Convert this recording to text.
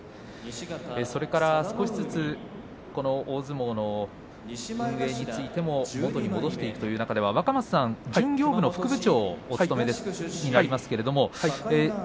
それから少しずつ大相撲の運営についても元に戻していくという中では若松さんは巡業部の副部長をお務めです。